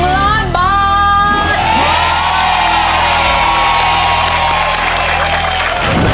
๑ล้านบาท